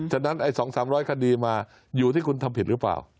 ฉะนั้นไอ้สองสามร้อยคดีมาอยู่ที่คุณทำผิดหรือเปล่า